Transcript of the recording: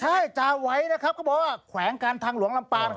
ใช่จ่าไหวนะครับเขาบอกว่าแขวงการทางหลวงลำปาง